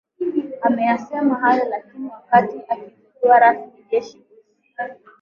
Ameyasema hayo leo wakati akizindua rasmi Jeshi Usu